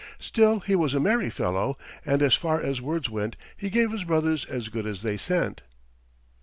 Still he was a merry fellow, and as far as words went he gave his brothers as good as they sent.